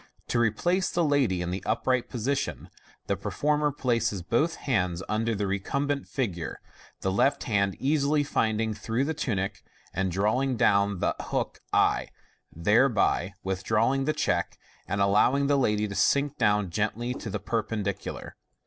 To replace the lady in the upright position, the performer places both hands under the recumbent figure, the left hand easily finding (through the tunic) and drawing down the hook t, thereby withdrawing the check, and allowing the lady to sink down gently to the perpendicular.